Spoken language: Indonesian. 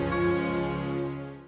aku akan jadi juara